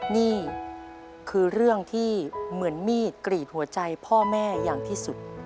นี่คือเรื่องที่เหมือนมีดกรีดหัวใจพ่อแม่อย่างที่สุด